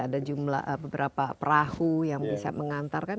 ada jumlah beberapa perahu yang bisa mengantarkan